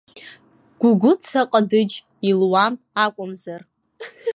Гәыгәыца ҟадыџь илуам акәымзар.